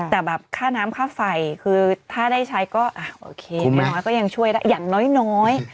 แต่แบบค่าน้ำค่าไฟคือถ้าได้ใช้ก็โอเคไม่น้อยก็ยังช่วยได้อย่างน้อย